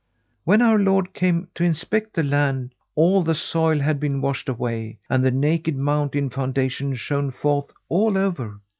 When our Lord came to inspect the land, all the soil had been washed away, and the naked mountain foundation shone forth all over.